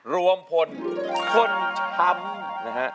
รวมพลคนช้ำนะฮะ